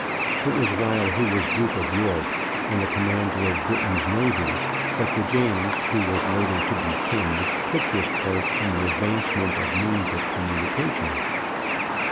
It was while he was Duke of York and the commander of Britain's navy, that the James who was later to be king took this part in the advancement of means of communication.